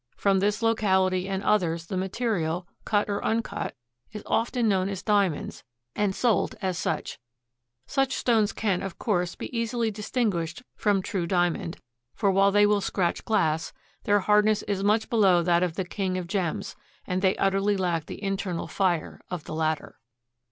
From this locality and others the material, cut or uncut, is often known as diamonds, and sold as such. Such stones can, of course, be easily distinguished from true diamond, for while they will scratch glass, their hardness is much below that of the king of gems and they utterly lack the internal fire of the latter.